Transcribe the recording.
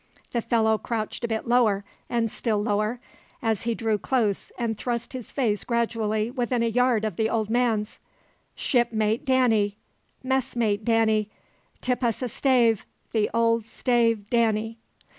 The fellow crouched a bit lower, and still lower, as he drew close and thrust his face gradually within a yard of the old man's. "Shipmate Danny messmate Danny tip us a stave! The old stave, Danny!